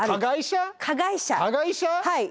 はい。